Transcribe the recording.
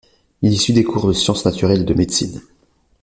Il y suit des cours de sciences naturelles et de médecine.